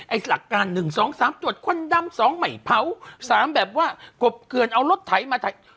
หลักการ๑๒๓ตรวจควันดำ๒ใหม่เผา๓แบบว่ากบเกือนเอารถไถมา